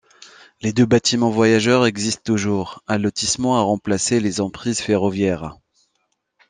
Les deux bâtiments voyageurs existent toujours, un lotissement a remplacé les emprises ferroviaires.